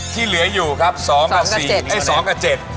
ที่เหลืออยู่ครับ๒กับ๔ให้๒กับ๗